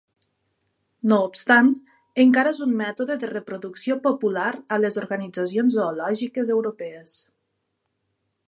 No obstant, encara és un mètode de reproducció popular a les organitzacions zoològiques europees.